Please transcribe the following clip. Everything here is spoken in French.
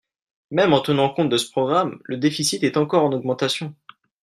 Même en tenant compte de ce programme, le déficit est encore en augmentation.